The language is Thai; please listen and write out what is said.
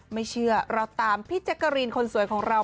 ไม่เชื่อเราตามพี่แจ๊กกะรีนคนสวยของเรา